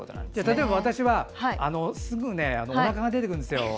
例えば、私はすぐにおなかが出てくるんですよ。